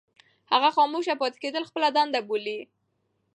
هغه خاموشه پاتې کېدل خپله دنده بولي.